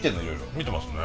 見てますね。